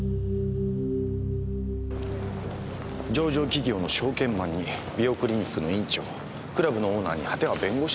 上場企業の証券マンに美容クリニックの院長クラブのオーナーに果ては弁護士ですか。